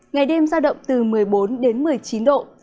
ngày đêm giao động từ một mươi bốn đến một mươi chín độ